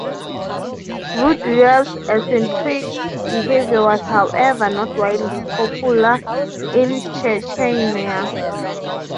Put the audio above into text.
Raduyev's eccentric behaviour was however not widely popular in Chechnya.